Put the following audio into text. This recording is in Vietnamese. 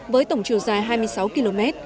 với tổng chiều dài hai mươi sáu km